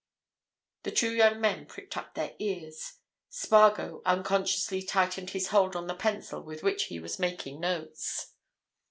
The two young men pricked up their ears. Spargo unconsciously tightened his hold on the pencil with which he was making notes.